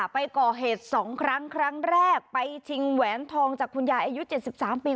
ไปก่อเหตุ๒ครั้งครั้งแรกไปชิงแหวนทองจากคุณยายอายุ๗๓ปี